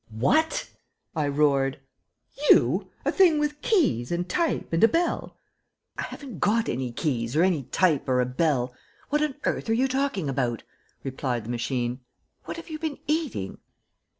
"What?" I roared. "You? A thing with keys and type and a bell " "I haven't got any keys or any type or a bell. What on earth are you talking about?" replied the machine. "What have you been eating?"